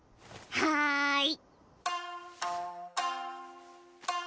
はい！